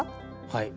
はい。